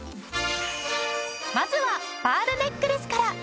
まずはパールネックレスから。